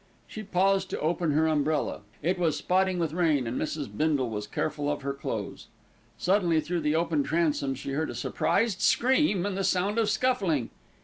She paused to open her umbrella, it was spotting with rain and Mrs. Bindle was careful of her clothes. Suddenly through the open transom she heard a surprised scream and the sound of scuffling.